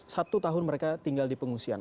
satu tahun mereka tinggal di pengungsian